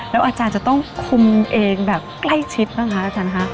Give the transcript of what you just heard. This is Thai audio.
อาจารย์จะต้องคุมเองแบบใกล้ชิดบ้างคะอาจารย์คะ